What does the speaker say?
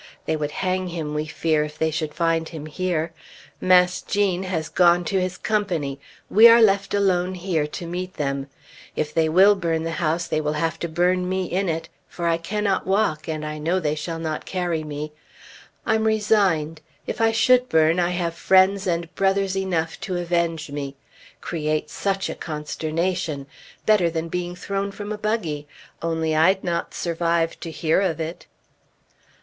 They would hang him, we fear, if they should find him here. Mass' Gene has gone to his company; we are left alone here to meet them. If they will burn the house, they will have to burn me in it. For I cannot walk, and I know they shall not carry me. I'm resigned. If I should burn, I have friends and brothers enough to avenge me. Create such a consternation! Better than being thrown from a buggy only I'd not survive to hear of it!